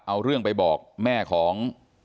เอาเรื่องไปบอกแม่ของ